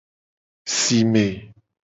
Sime.